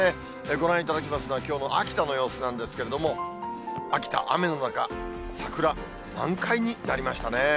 ご覧いただきますのは、きょうの秋田の様子なんですけれども、秋田、雨の中、桜、満開になりましたね。